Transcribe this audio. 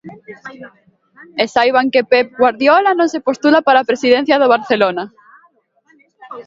E saiban que Pep Guardiola non se postula para a presidencia do Barcelona.